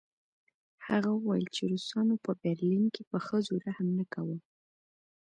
هغه وویل چې روسانو په برلین کې په ښځو رحم نه کاوه